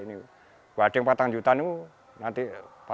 di gading ini rp empat juta ini nanti tidak berapa